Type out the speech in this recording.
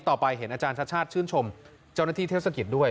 ต่อไปเห็นอาจารย์ชาติชาติชื่นชมเจ้าหน้าที่เทศกิจด้วย